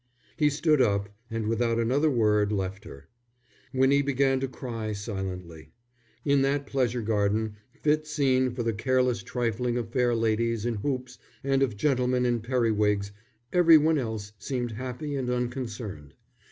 He stood up and without another word left her. Winnie began to cry silently. In that pleasure garden, fit scene for the careless trifling of fair ladies in hoops and of gentlemen in periwigs, every one else seemed happy and unconcerned.